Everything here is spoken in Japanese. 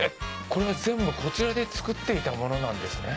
これは全部こちらで作っていたものなんですね。